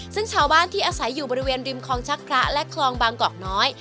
ซึ่งชาวบ้านที่อาศัยอยู่บริเวณริมคลองชักพระและคลองบางกอกน้อย